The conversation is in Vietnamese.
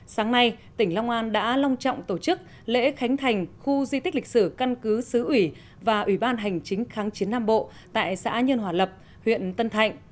sáng nay tỉnh long an đã long trọng tổ chức lễ khánh thành khu di tích lịch sử căn cứ xứ ủy và ủy ban hành chính kháng chiến nam bộ tại xã nhân hòa lập huyện tân thạnh